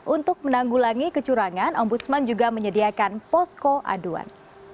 untuk menanggulangi kecurangan om budsman juga menyediakan posko aduan